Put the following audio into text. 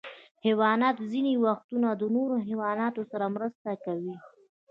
حیوانات ځینې وختونه د نورو حیواناتو سره مرسته کوي.